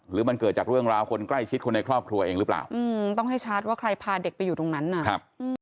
หรือมันเกิดจากเรื่องราวคนใกล้ชิดคนในครอบครัวเองหรือเปล่า